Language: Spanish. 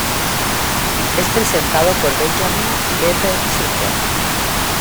Es presentado por Benjamin "Beppe" Singer.